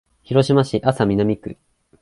広島市安佐南区